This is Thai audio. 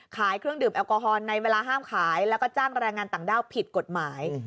เครื่องดื่มแอลกอฮอลในเวลาห้ามขายแล้วก็จ้างแรงงานต่างด้าวผิดกฎหมาย